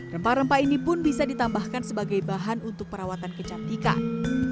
rempah rempah ini pun bisa ditambahkan sebagai bahan untuk perawatan kecantikan